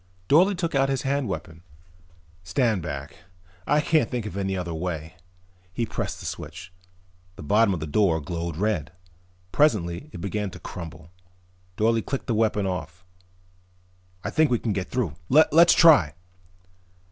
Dorle took out his hand weapon. "Stand back. I can't think of any other way." He pressed the switch. The bottom of the door glowed red. Presently it began to crumble. Dorle clicked the weapon off. "I think we can get through. Let's try."